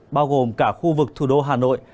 bao gồm cả khu vực thủ đô hà nội